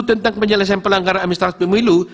tentang penyelesaian pelanggaran administrasi pemilu